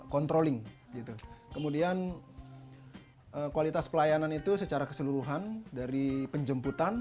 controlling kemudian kualitas pelayanan itu secara keseluruhan dari penjemputan